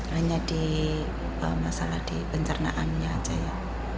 hanya di masalah di pencernaannya saja ya